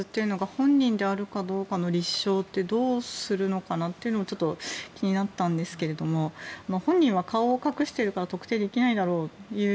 酷似した人物が本人であるかの立証ってどうするのかなっていうのも気になったんですが本人は顔を隠しているから特定できないだろうと。